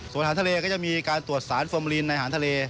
ส่วนอาหารทะเลก็จะมีการตรวจสารฟอร์มลีนในอาหารทะเล